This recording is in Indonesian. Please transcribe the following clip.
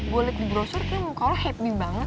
gue liat di brosur kayaknya muka lo happy banget